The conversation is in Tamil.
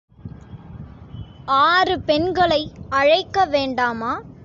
ஆறு பெண்களை அழைக்க வேண்டாமா?